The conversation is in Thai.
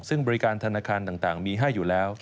ซึ่งบริการธนาคารต่างมีให้อยู่แล้ว